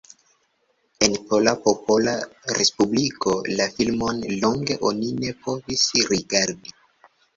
En Pola Popola Respubliko la filmon longe oni ne povis rigardi.